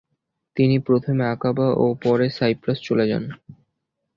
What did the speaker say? তিনি প্রথমে আকাবা ও পরে সাইপ্রাস চলে যান।